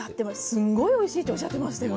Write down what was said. すごいおいしいとおっしゃってましたよね。